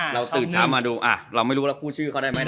เราตื่นช้ามาดูเราไม่รู้แล้วคู่ชื่อเขาได้ไหม